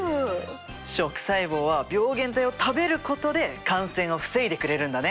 食細胞は病原体を食べることで感染を防いでくれるんだね。